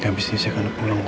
abis ini setelah kulang